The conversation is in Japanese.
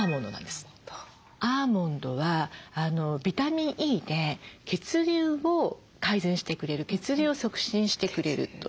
アーモンドはビタミンＥで血流を改善してくれる血流を促進してくれるという。